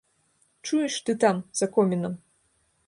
Чуеш, ты там, за комінам!